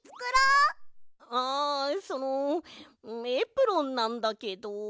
あそのエプロンなんだけど。